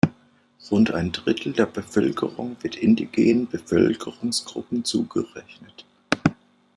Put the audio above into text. Rund ein Drittel der Bevölkerung wird indigenen Bevölkerungsgruppen zugerechnet.